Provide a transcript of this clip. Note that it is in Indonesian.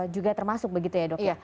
juga termasuk begitu ya dok ya